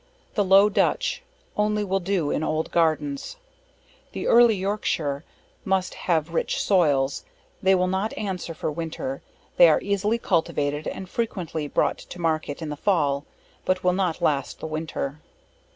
The Low Dutch, only will do in old gardens. The Early Yorkshire, must have rich soils, they will not answer for winter, they are easily cultivated, and frequently bro't to market in the fall, but will not last the winter.